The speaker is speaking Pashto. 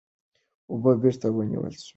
اوبه بېرته ونیول سوې.